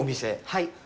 はい。